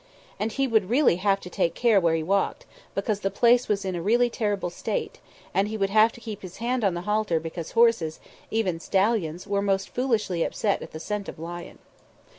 And He would really have to take care where He walked, because the place was in a really terrible state, and He would have to keep his hand on the halter because horses, even stallions, were most foolishly upset at the scent of lion.